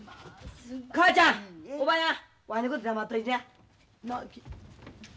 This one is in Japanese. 母ちゃんおばやんわいのこと黙っといてな。